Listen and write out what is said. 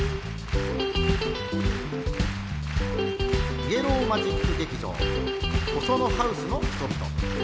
イエローマジック劇場「細野ハウスの人々」。